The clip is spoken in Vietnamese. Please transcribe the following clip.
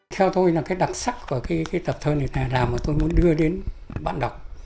theo tôi là cái đặc sắc của cái tập thơ này là làm mà tôi muốn đưa đến bạn đọc